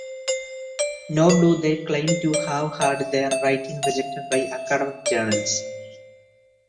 Nor do they claim to have had their writings rejected by academic journals.